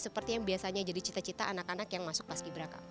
seperti yang biasanya jadi cita cita anak anak yang masuk paski beraka